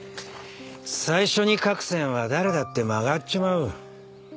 最初に書く線は誰だって曲がっちまう。